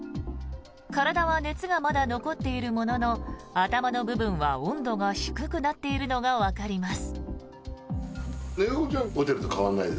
体は熱がまだ残っているものの頭の部分は温度が低くなっているのがわかります。